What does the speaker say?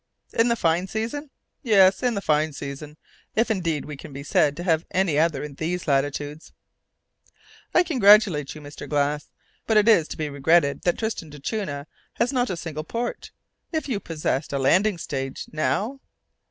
"In the fine season?" "Yes, in the fine season, if indeed we can be said to have any other in these latitudes." "I congratulate you, Mr. Glass. But it is to be regretted that Tristan d'Acunha has not a single port. If you possessed a landing stage, now?"